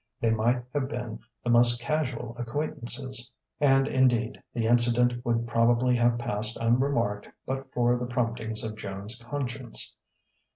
They might have been the most casual acquaintances. And, indeed, the incident would probably have passed unremarked but for the promptings of Joan's conscience.